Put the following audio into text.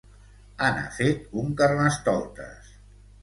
Anar fet un carnestoltes.